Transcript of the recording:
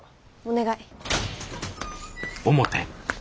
お願い。